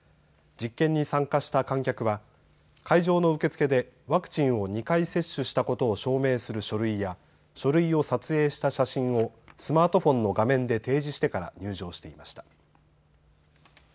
実験に参加した観客は会場の受け付けでワクチンを２回接種したことを証明する書類や書類を撮影した写真をスマートフォンの画面で提示してから入場していました。